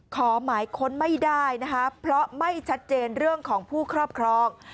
ขอหมายค้นไม่ได้นะคะเพราะไม่ชัดเจนเรื่องของผู้ครอบครอง